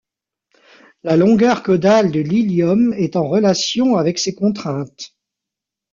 La longueur caudale de l'ilium est en relation avec ces contraintes.